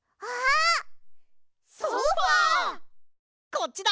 こっちだ！